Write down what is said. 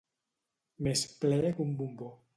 Més ple que un bombo.